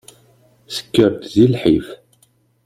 Tekker-d di lḥif.